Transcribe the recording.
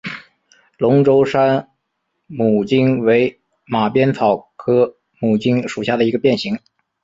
龙州山牡荆为马鞭草科牡荆属下的一个变型。